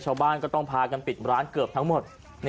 ชาวบ้านก็ต้องพากันปิดร้านเกือบทั้งหมด